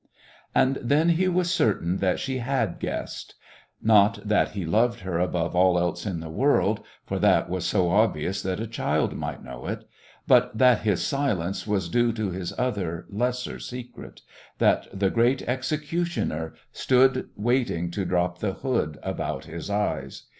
And then he was certain that she had guessed not that he loved her above all else in the world, for that was so obvious that a child might know it, but that his silence was due to his other, lesser secret; that the great Executioner stood waiting to drop the hood about his eyes.